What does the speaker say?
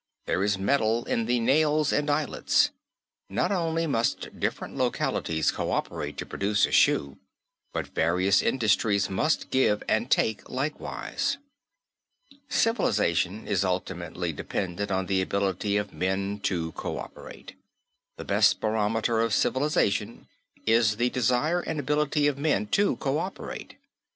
There is metal in the nails and eyelets. Not only must different localities coöperate to produce a shoe; but various industries must give and take likewise. Civilization is ultimately dependent on the ability of men to coöperate. The best barometer of civilization is the desire and ability of men to coöperate.